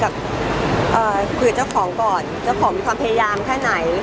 แถมเครื่องมีความพยายามแค่ไหน